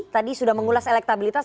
tadi sudah mengulas elektabilitas